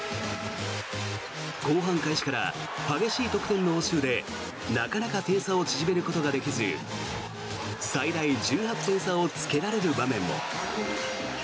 後半開始から激しい得点の応酬でなかなか点差を縮めることができず最大１８点差をつけられる場面も。